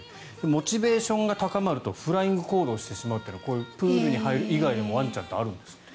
モチベーションが高まるとフライング行動をしてしまうというのはこういうプールに入る以外にもワンちゃんはあるんですって。